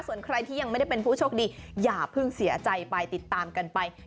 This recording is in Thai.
ส่วนใครที่ยังไม่ได้เป็นผู้โชคดีอย่าเพิ่งเสียใจไปติดตามกันไป